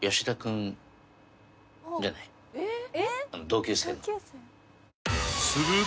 同級生の。